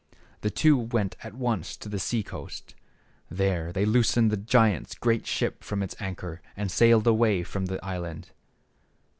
The two went at once to the sea coast. There they loosened the giant's great ship from its anchor, and sailed away from the island.